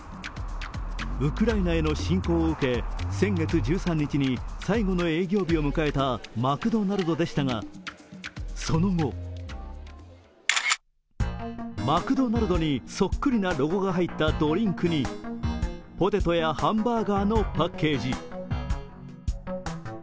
ウクライナへの侵攻を受け、先月１３日に最後の営業日を迎えたマクドナルドでしたがその後マクドナルドにそっくりなロゴが入ったドリンクにポテトやハンバガーなどのパッケージ。